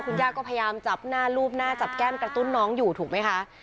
คุณย่าก็พยายามจับหน้าลูบหน้าจับแก้มกระตุ้นน้องอยู่ถูกไหมคะ